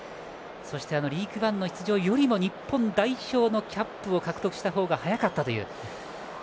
そして、リーグワンの出場よりも日本代表のキャップを獲得した方が早かったという。